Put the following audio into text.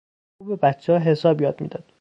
او به بچهها حساب یاد میداد.